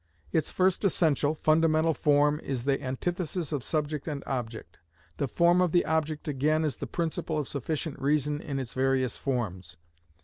Its first essential, fundamental form is the antithesis of subject and object. The form of the object again is the principle of sufficient reason in its various forms.